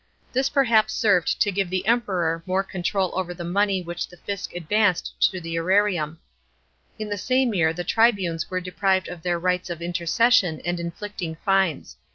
Tl.is perhaps served to give the Emperor more control over the money which the fisc advanced to the aararium. In the same year the tribunes were deprived of their rights of intercession and inflicting fines.